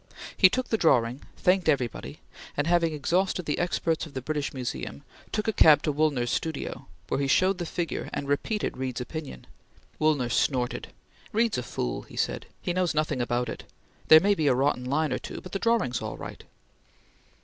He took the drawing, thanked everybody, and having exhausted the experts of the British Museum, took a cab to Woolner's studio, where he showed the figure and repeated Reed's opinion. Woolner snorted: "Reed's a fool!" he said; "he knows nothing about it; there may be a rotten line or two, but the drawing's all right."